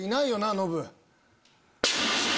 ノブ。